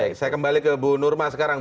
oke saya kembali ke bu nurma sekarang